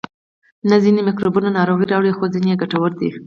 نه ځینې میکروبونه ناروغي راوړي خو ځینې یې ګټور دي